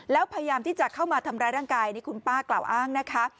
แล้วพยายามที่จะเข้ามาทำร้ายร่างกายนี่คุณป้ากล่าวอ้างนะคะ